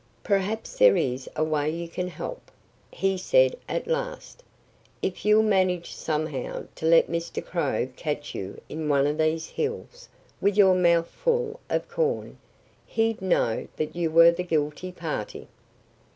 "Perhaps there is a way you can help," he said at last. "If you'll manage somehow to let Mr. Crow catch you in one of these hills, with your mouth full of corn, he'd know that you were the guilty party."